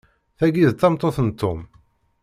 Tagi, d tameṭṭut n Tom.